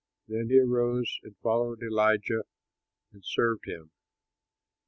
Then he arose and followed Elijah and served him.